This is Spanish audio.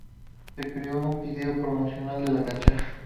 Se creó un video para promocionar la canción.